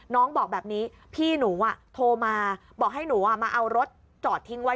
น้องบอกแบบนี้พี่หนูโทรมาบอกให้หนูมาเอารถจอดทิ้งไว้